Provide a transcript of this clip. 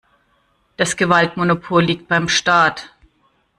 Das Gewaltmonopol liegt beim Staat.